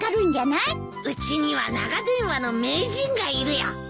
うちには長電話の名人がいるよ。